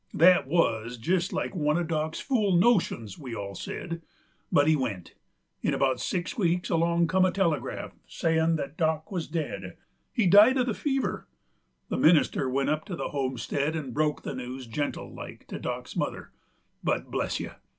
That wuz jest like one of Dock's fool notions, we all said. But he went. In about six weeks along come a telegraph sayin' that Dock wuz dead, he'd died uv the fever. The minister went up to the homestead 'nd broke the news gentle like to Dock's mother; but, bless you!